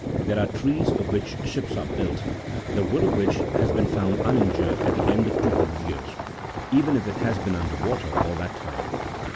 there are trees, of which ships are built, the wood of which has been found uninjured at the end of two hundred years,43 even if it has been under water all that time.